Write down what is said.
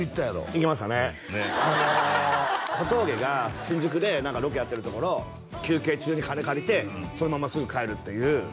行きましたね小峠が新宿でロケやってるところ休憩中に金借りてそのまますぐ帰るっていう